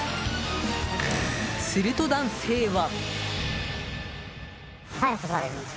すると男性は。